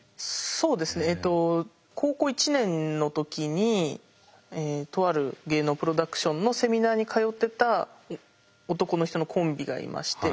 そうですねえと高校１年の時にとある芸能プロダクションのセミナーに通ってた男の人のコンビがいまして。